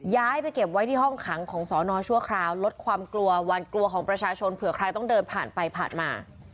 ย้ายไปเก็บไว้ที่ห้องขังของสอนอชั่วคราวลดความกลัวหวานกลัวของประชาชนเผื่อใครต้องเดินผ่านไปผ่านมา